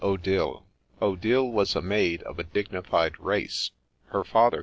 ODILLE OUILLE was & maid of a dignified race ; Her father.